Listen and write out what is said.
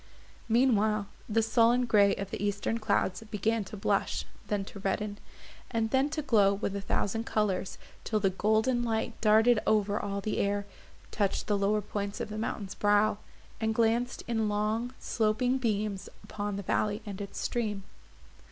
Meanwhile, the sullen grey of the eastern clouds began to blush, then to redden, and then to glow with a thousand colours, till the golden light darted over all the air, touched the lower points of the mountain's brow, and glanced in long sloping beams upon the valley and its stream.